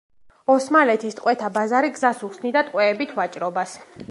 ოსმალეთის ტყვეთა ბაზარი გზას უხსნიდა ტყვეებით ვაჭრობას.